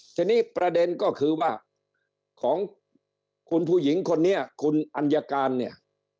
ทีนี้ประเด็นก็คือว่าของคุณผู้หญิงคนนี้คุณอัญการเนี่ย